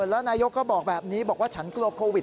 แล้วนายกก็บอกแบบนี้บอกว่าฉันกลัวโควิด